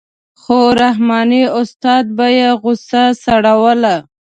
خو رحماني استاد به یې غوسه سړوله.